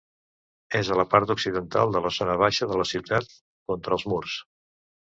És a la part occidental de la zona baixa de la ciutat, contra els murs.